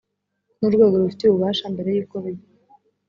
n urwego rubifitiye ububasha mbere y uko biba